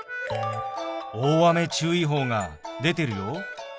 大雨注意報が出てるよ。